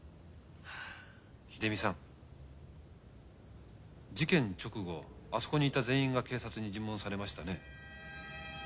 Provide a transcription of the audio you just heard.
秀美さん事件直後あそこにいた全員が警察に尋問されましたね。